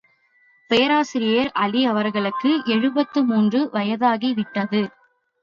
பேராசிரியர் அலி அவர்களுக்கு எழுபத்து மூன்று வயதாகிவிட்டது.